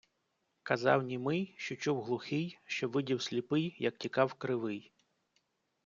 Казав німий, що чув глухий, що видів сліпий, як тікав кривий.